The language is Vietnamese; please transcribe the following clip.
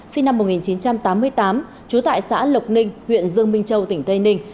sinh năm một nghìn chín trăm tám mươi tám trú tại xã lộc ninh huyện dương minh châu tỉnh tây ninh